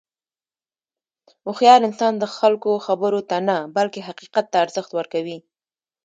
هوښیار انسان د خلکو خبرو ته نه، بلکې حقیقت ته ارزښت ورکوي.